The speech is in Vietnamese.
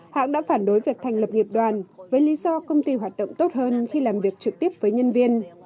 hãng đã phản đối việc thành lập nghiệp đoàn với lý do công ty hoạt động tốt hơn khi làm việc trực tiếp với nhân viên